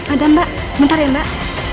ada mbak bentar ya mbak